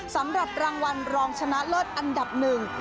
สำหรับรางวัลรองชนะเลิศอันดับหนึ่ง